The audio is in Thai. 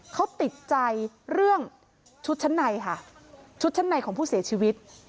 เขาติดใจเรื่องชุดชั้นในค่ะชุดชั้นในของผู้เสียชีวิต